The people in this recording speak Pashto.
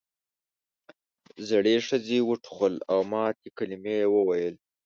زړې ښځې وټوخل او ماتې کلمې یې وویل.